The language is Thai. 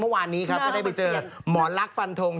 เมื่อวานนี้ครับก็ได้ไปเจอหมอลักษณฟันทง